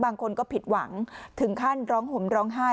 บางคนก็ผิดหวังถึงขั้นร้องห่มร้องไห้